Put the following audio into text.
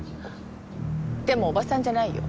でもおばさんじゃないよ。